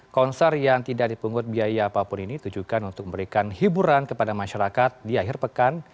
konser yang tidak dipungut biaya apapun ini tujuan untuk memberikan hiburan kepada masyarakat di akhir pekan